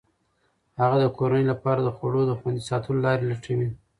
هغه د کورنۍ لپاره د خوړو د خوندي ساتلو لارې لټوي.